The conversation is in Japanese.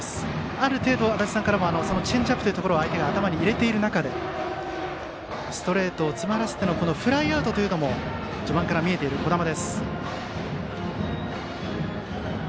ある程度、足達さんからもチェンジアップというところを相手が頭に入れている中でストレートを詰まらせてのフライアウトというのも見えている児玉です。